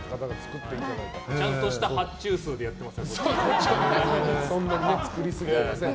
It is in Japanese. ちゃんとした発注数でやっています。